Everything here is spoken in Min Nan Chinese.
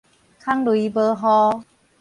空雷無雨